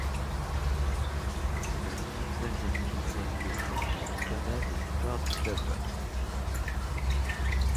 C'est le dix-neuvième titre de champion du Ghana de l'histoire du club.